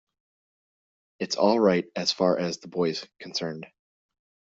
It's all right as far as the boy's concerned.